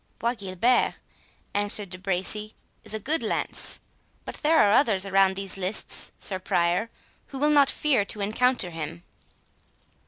"Bois Guilbert," answered De Bracy, "is a good lance; but there are others around these lists, Sir Prior, who will not fear to encounter him."